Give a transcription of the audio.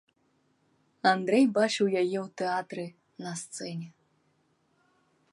Андрэй бачыў яе ў тэатры на сцэне.